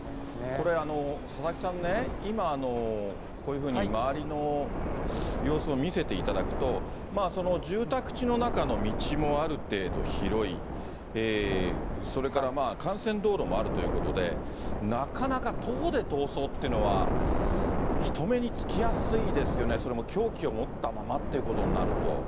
これ、佐々木さんね、今、こういうふうに周りの様子を見せていただくと、住宅地の中の道もある程度広い、それから幹線道路もあるということで、なかなか徒歩で逃走というのは人目につきやすいですよね、それも凶器を持ったままということになると。